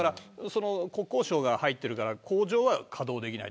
国交省が入っているから工場は稼働できない。